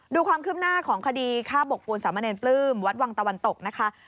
ดูความคืบหน้าของคดีฆ่าบกปูนสามเนรปลื้มวัดวังตะวันตกนะคะ